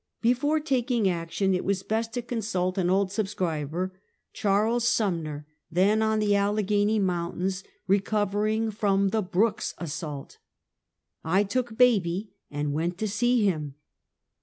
Before taking action, it was best to consult an old subscriber, Charles Sumner, then , on the Allegheny Mountains, recovering from the Brook's assault. I took baby and went to see him.